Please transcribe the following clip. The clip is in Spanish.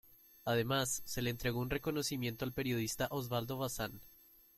Además se le entregó un reconocimiento al periodista Osvaldo Bazán.